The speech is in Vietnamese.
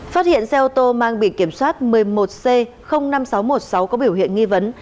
phát hiện xe ô tô mang bị kiểm soát một mươi một c năm nghìn sáu trăm một mươi sáu có biểu hiện nghi vấn